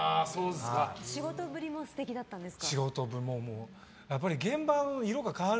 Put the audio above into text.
仕事ぶりも素敵だったんですか？